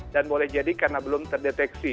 dan boleh jadi karena belum terdeteksi